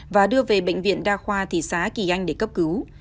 và đưa về bệnh viện đa khoa thị xã kỳ anh để cấp cứu